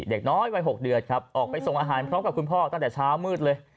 เด็กน้อยวัย๖เดือนครับออกไปส่งอาหารพร้อมกับคุณพ่อตั้งแต่เช้ามืดเลย